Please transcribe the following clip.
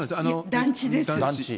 団地です。